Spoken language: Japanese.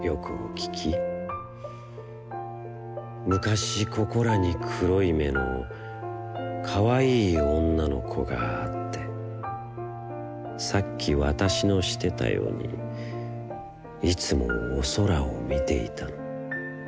むかし、ここらに黒い眼の、かわいい女の子があって、さっきわたしのしてたよに、いつもお空をみていたの。